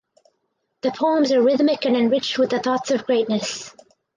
The poems are rhythmic and enriched with the thoughts of greatness.